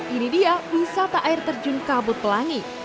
ini dia wisata air terjun kabut pelangi